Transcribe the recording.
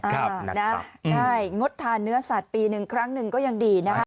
ใช่งดทานเนื้อสัตว์ปีหนึ่งครั้งหนึ่งก็ยังดีนะคะ